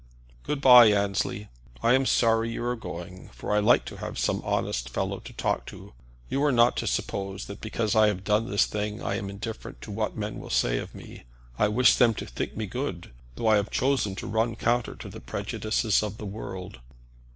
Good bye, Annesley; I am sorry you are going, for I like to have some honest fellow to talk to. You are not to suppose that because I have done this thing I am indifferent to what men shall say of me. I wish them to think me good, though I have chosen to run counter to the prejudices of the world."